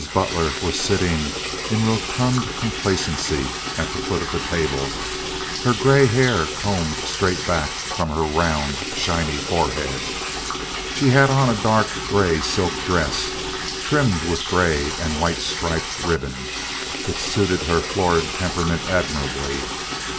Butler was sitting in rotund complacency at the foot of the table, her gray hair combed straight back from her round, shiny forehead. She had on a dark gray silk dress, trimmed with gray and white striped ribbon. It suited her florid temperament admirably.